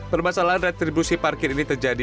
permasalahan retribusi parkir ini terjadi